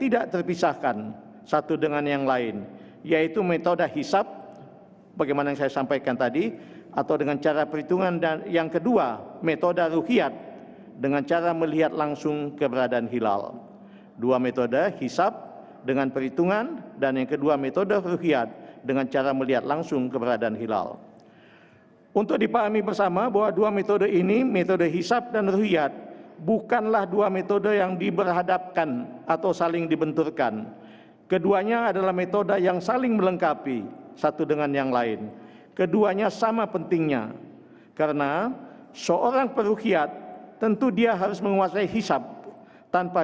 dan ini akan menjadi hal yang akan diperlukan oleh masyarakat keseluruhan